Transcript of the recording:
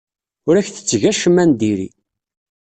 Ur ak-tetteg acemma n diri.